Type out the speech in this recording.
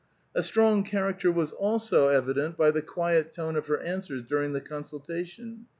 A strong character was also evident by the quiet tone of her answers during the consultation.